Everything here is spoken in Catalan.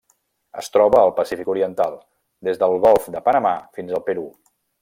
Es troba al Pacífic oriental: des del Golf de Panamà fins al Perú.